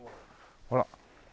ほら。